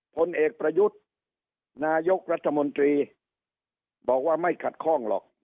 ผลเอกประยุทธ์นายกรัฐมนตรีบอกว่าไม่ขัดข้องหรอก